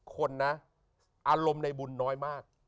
คนนะอารมณ์ในบุญน้อยมาก